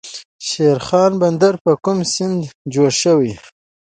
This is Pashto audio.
شیرخان بندر په کوم سیند جوړ شوی؟